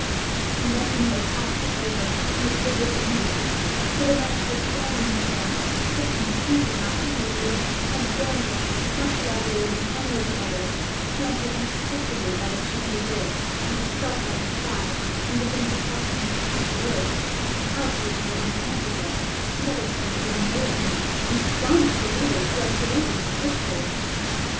And then when the repast is over and the tables removed, for the knight to recline in the chair, picking his teeth perhaps as usual, and a damsel, much lovelier than any of the others, to enter unexpectedly by the chamber door, and herself by his side, and begin to tell him what the castle is, and how she is held enchanted there, and other things that amaze the knight and astonish the readers who are perusing his history.